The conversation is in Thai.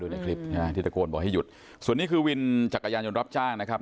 ในคลิปที่ตะโกนบอกให้หยุดส่วนนี้คือวินจักรยานยนต์รับจ้างนะครับ